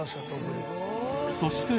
そして。